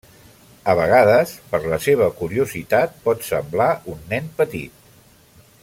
A vegades, per la seva curiositat pot semblar un nen petit.